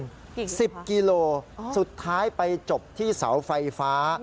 กี่กิโลครับสิบกิโลครับสุดท้ายไปจบที่เสาไฟฟ้า